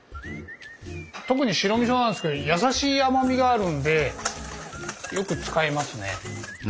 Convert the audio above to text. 特に白みそなんですけどやさしい甘みがあるんでよく使いますね。